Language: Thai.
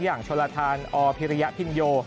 อย่างโชลทานอพิริยพินโย